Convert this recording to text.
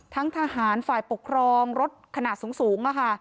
ทั้งทหารฝ่ายปกครองรถขนาดสูงค่ะ